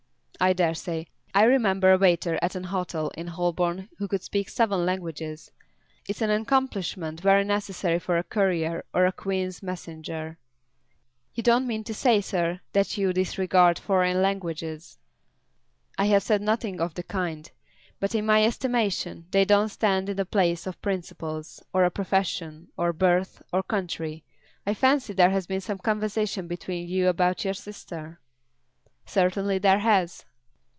"I dare say. I remember a waiter at an hotel in Holborn who could speak seven languages. It's an accomplishment very necessary for a Courier or a Queen's Messenger." "You don't mean to say, sir, that you disregard foreign languages?" "I have said nothing of the kind. But in my estimation they don't stand in the place of principles, or a profession, or birth, or country. I fancy there has been some conversation between you about your sister." "Certainly there has."